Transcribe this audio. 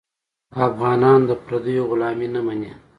افغان د پردیو غلامي نه مني.